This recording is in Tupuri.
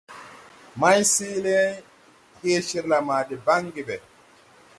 Mayseeele he cirla ma de baŋge ɓɛ.